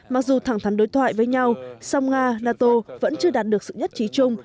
mặc dù thẳng thắn đối thoại với nhau song nga nato vẫn chưa đạt được sự nhất trí chung